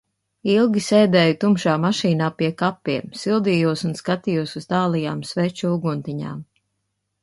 Ilgi sēdēju tumšā mašīnā pie kapiem, sildījos un skatījos uz tālajām sveču uguntiņām.